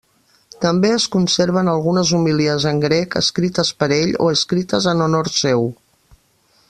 També es conserven algunes homilies en grec escrites per ell o escrites en honor seu.